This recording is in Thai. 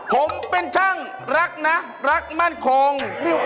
ผมเป็นช่างรักนะรักมั่นคง